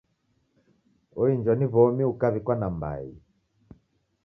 Oinjwa ni w'omi ukaw'ikwa nambai.